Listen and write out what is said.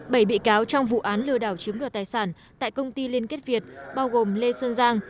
bảy bị cáo trong vụ án lừa đảo chiếm đoạt tài sản tại công ty liên kết việt bao gồm lê xuân giang